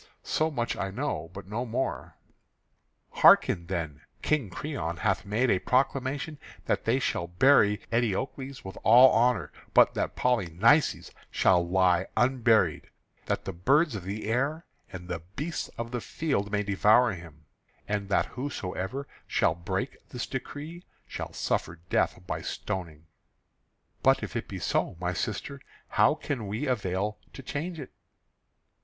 So much I know, but no more." "Hearken then. King Creon hath made a proclamation that they shall bury Eteocles with all honour; but that Polynices shall lie unburied, that the birds of the air and the beasts of the field may devour him; and that whosoever shall break this decree shall suffer death by stoning." "But if it be so, my sister, how can we avail to change it?"